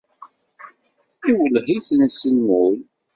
Iwelleh-iten s lmul.